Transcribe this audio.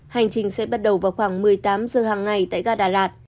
hành trình sẽ bắt đầu vào khoảng một mươi tám h hàng ngày tại gà đà lạt